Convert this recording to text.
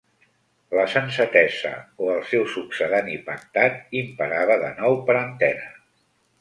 La sensatesa, o el seu succedani pactat, imperava de nou per antena.